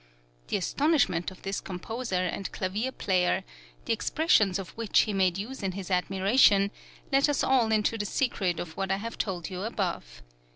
The astonishment of this composer and clavier player, the expressions of which he made use in his admiration, let us all into the secret of what I have told you above.